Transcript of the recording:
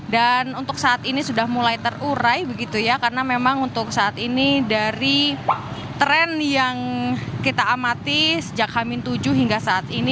dan untuk saat ini sudah mulai terurai karena memang untuk saat ini dari tren yang kita amati sejak hamin tujuh hingga saat ini